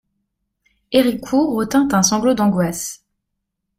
Héricourt retint un sanglot d'angoisse.